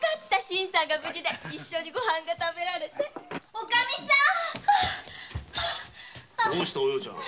おカミさんどうしたお葉ちゃん